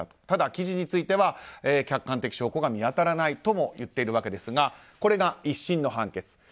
ただ記事については客観的証拠が見当たらないともいっているわけですがこれが１審の判決。